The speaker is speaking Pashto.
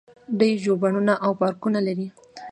دوی ژوبڼونه او پارکونه لري.